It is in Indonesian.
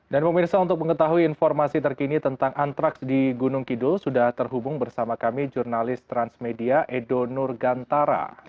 dan pemirsa untuk mengetahui informasi terkini tentang antraks di gunung kidul sudah terhubung bersama kami jurnalis transmedia edo nurgantara